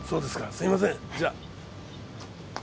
すいませんじゃあ。